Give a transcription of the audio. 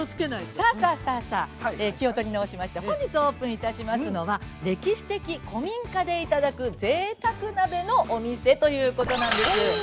さあさあさあ、気を取り直しまして本日オープンしますのは歴史的古民家でいただく、ぜいたく鍋のお店ということなんです。